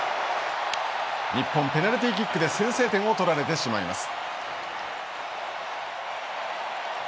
日本ペナルティーキックで先制点を取られてしまいます。